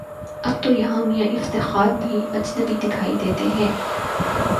اب تویہاں میاں افتخار بھی اجنبی دکھائی دیتے ہیں۔